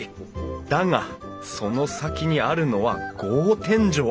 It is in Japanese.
だがその先にあるのは格天井！